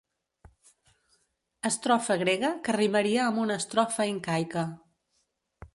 Estrofa grega que rimaria amb una estrofa incaica.